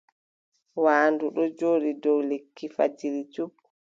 Waandu ɗo jooɗi dow lekki fajiri cup.